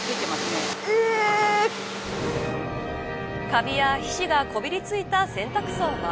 カビや皮脂がこびりついた洗濯槽は。